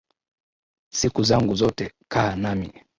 Siku zangu zote kaa nami